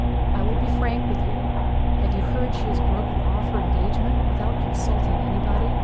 I will be frank with you. Have you heard she has broken off her engagement without consulting anybody?